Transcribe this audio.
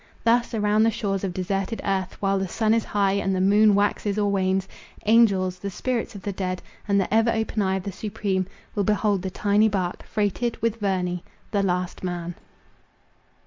Thus around the shores of deserted earth, while the sun is high, and the moon waxes or wanes, angels, the spirits of the dead, and the ever open eye of the Supreme, will behold the tiny bark, freighted with Verney—the LAST MAN.